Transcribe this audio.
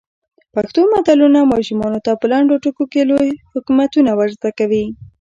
پښتو متلونه ماشومانو ته په لنډو ټکو کې لوی حکمتونه ور زده کوي.